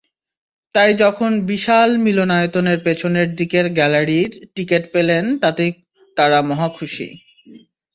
তাই যখন বিশাল মিলনায়তনের পেছনের দিকের গ্যালারির টিকিট পেলেন, তাতেই তাঁরা মহাখুশি।